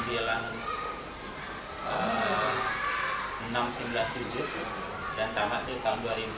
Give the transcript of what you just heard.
dan tamatnya tahun dua ribu dua dua ribu tiga